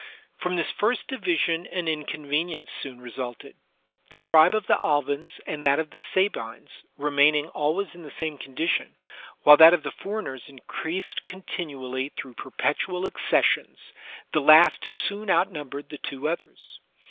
From this first division an inconvenience soon resulted; the tribe of the Albans and that of the Sabines remain ing always in the same condition, while that of the (99) loo THE SOCIAL CONTRACT foreigners increased continually through perpetual acces sions, the last soon outnumbered the two others.